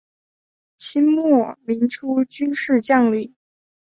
清末民初军事将领。